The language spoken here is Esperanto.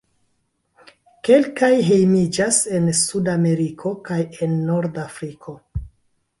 Kelkaj hejmiĝas en Sudameriko kaj en Nordafriko.